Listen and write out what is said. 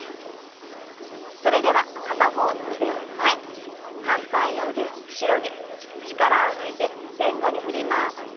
それでは片方の腕を前反対の腕を後ろに力を抜いて前後に振ります。